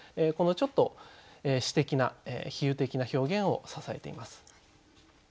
このちょっと詩的な比喩的な表現を支えています。